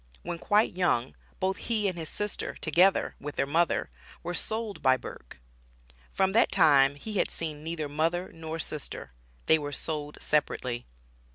When quite young, both he and his sister, together with their mother, were sold by Burke. From that time he had seen neither mother nor sister they were sold separately.